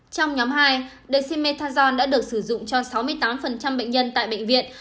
trong nhóm hai dexamethasone đã được sử dụng cho sáu mươi tám bệnh nhân tại bệnh viện